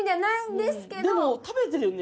でも食べてるよね。